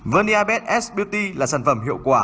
verniabed s beauty là sản phẩm hiệu quả